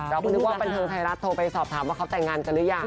เราเพิ่งนึกว่าบันเทิงไทยรัฐโทรไปสอบถามว่าเขาแต่งงานกันหรือยัง